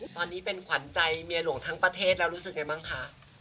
ตอนนี้เป็นขวัญใจเมียหลวงทั้งประเทศแล้วรู้สึกไงบ้างคะ